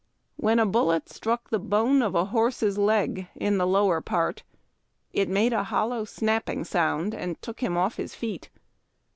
When a bullet struck the bone of a horse's leg in the lower part, it made a hollow snapping sound and took him off his feet.